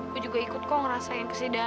gue juga ikut kok ngerasain kes aumentar lo